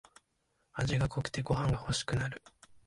味が濃くてご飯がほしくなる